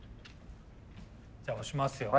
じゃあ押しますよ。